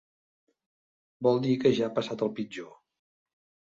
Vol dir que ja ha passat el pitjor.